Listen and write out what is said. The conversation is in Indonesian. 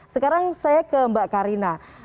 sekarang saya ke mbak karina